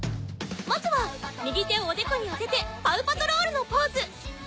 まずは右手をおでこにあててパウ・パトロールのポーズ。